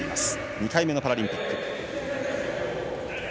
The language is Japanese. ２回目のパラリンピック。